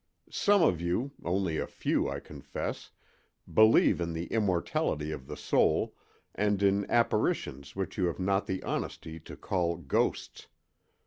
"Some of you—only a few, I confess—believe in the immortality of the soul, and in apparitions which you have not the honesty to call ghosts.